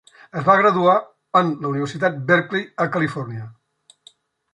Es va graduar en la Universitat Berkeley a Califòrnia.